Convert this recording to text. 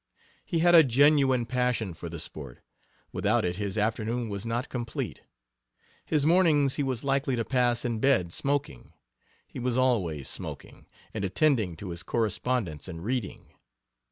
He had a genuine passion for the sport; without it his afternoon was not complete. His mornings he was likely to pass in bed, smoking he was always smoking and attending to his correspondence and reading.